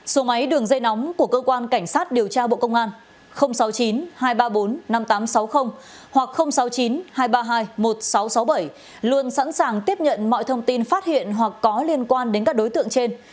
số máy đường dây nóng của cơ quan cảnh sát điều tra bộ công an sáu mươi chín hai trăm ba mươi bốn năm nghìn tám trăm sáu mươi hoặc sáu mươi chín hai trăm ba mươi hai một nghìn sáu trăm sáu mươi bảy luôn sẵn sàng tiếp nhận mọi thông tin phát hiện hoặc có liên quan đến các đối tượng trên